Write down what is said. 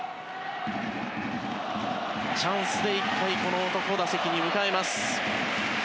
チャンスで１回この男を打席に迎えます。